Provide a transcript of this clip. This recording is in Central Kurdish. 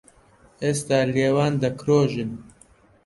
ئێستا لێوان دەکرۆژن